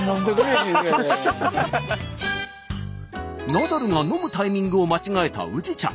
ナダルが飲むタイミングを間違えた宇治茶。